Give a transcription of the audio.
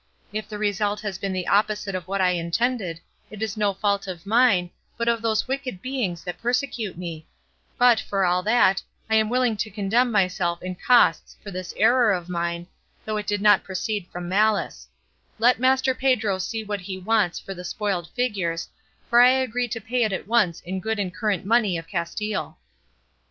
If the result has been the opposite of what I intended, it is no fault of mine, but of those wicked beings that persecute me; but, for all that, I am willing to condemn myself in costs for this error of mine, though it did not proceed from malice; let Master Pedro see what he wants for the spoiled figures, for I agree to pay it at once in good and current money of Castile."